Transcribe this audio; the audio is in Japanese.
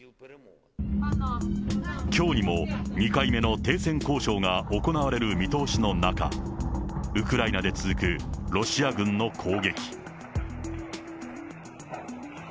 きょうにも２回目の停戦交渉が行われる見通しの中、ウクライナで続くロシア軍の攻撃。